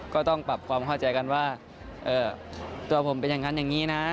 ก็ต้องปรับความเข้าใจกันว่าตัวผมเป็นอย่างนั้นอย่างนี้นะ